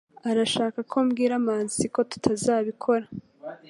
Urashaka ko mbwira Manzi ko tutazabikora?